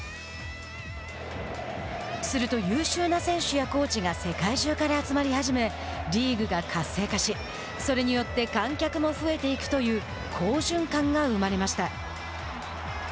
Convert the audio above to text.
すると、優秀な選手やコーチが世界中から集まり始めリーグが活性化しそれによって観客も増えていくという好循環が生まれました。